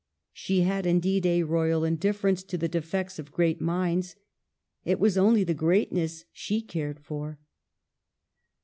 She had indeed a royal indifference to the defects of great minds. It was only the greatness she cared for.